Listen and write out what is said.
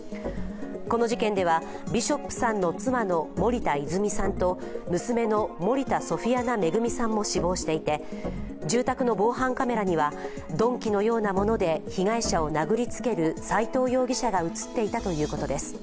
この事件では、ビショップさんの妻の森田泉さんと娘の森田ソフィアナ恵さんも死亡していて住宅の防犯カメラには鈍器のようなもので被害者を殴りつける斉藤容疑者が映っていたということです。